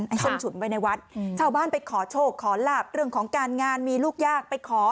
ส้มฉุนไว้ในวัดชาวบ้านไปขอโชคขอลาบเรื่องของการงานมีลูกยากไปขอ